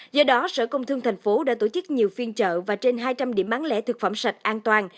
do đó sở công thương thành phố đã tổ chức nhiều phiên chợ và trên hai trăm linh điểm bán lẻ thực phẩm sạch an toàn